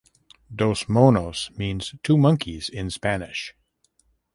Dos Monos means "two monkeys" in Spanish.